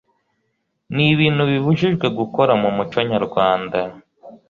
Ni ibintu bibujijwe gukora mu muco nyarwanda